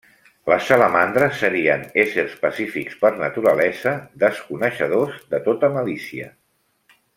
Les salamandres serien éssers pacífics per naturalesa, desconeixedors de tota malícia.